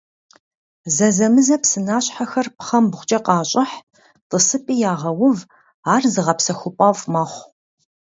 Зэзэмызэ псынащхьэр пхъэмбгъукӀэ къащӀыхь, тӀысыпӀи ягъэув, ар зыгъэпсэхупӀэфӀ мэхъу.